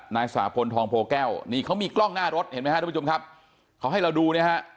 นายสะพนทรรโพแก้วมีกล้องหน้ารถดูเขาให้เราดู